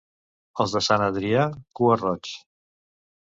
Els de Sant Adrià, cua-roigs.